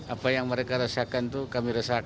apa yang mereka rasakan itu kami rasakan